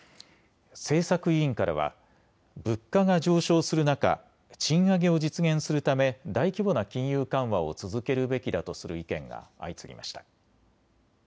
政策委員からは物価が上昇する中、賃上げを実現するため大規模な金融緩和を続けるべきだとする意見が相次ぎました。